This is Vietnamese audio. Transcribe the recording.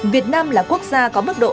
việt nam là quốc gia có mức độ